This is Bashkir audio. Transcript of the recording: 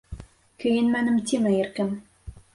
Кейенмәнем, тимә, иркәм.